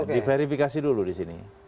diverifikasi dulu di sini